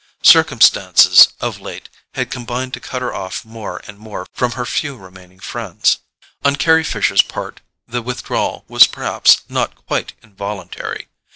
Circumstances, of late, had combined to cut her off more and more from her few remaining friends. On Carry Fisher's part the withdrawal was perhaps not quite involuntary.